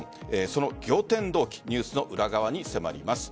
その仰天動機ニュースの裏側に迫ります。